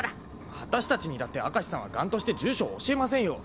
私たちにだって明石さんは頑として住所を教えませんよ。